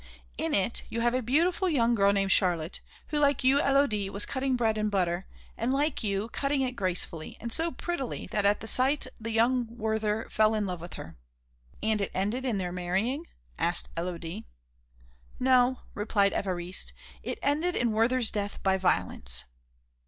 In it you have a beautiful young girl named Charlotte, who, like you, Élodie, was cutting bread and butter, and like you, cutting it gracefully, and so prettily that at the sight the young Werther fell in love with her." "And it ended in their marrying?" asked Élodie. "No," replied Évariste; "it ended in Werther's death by violence."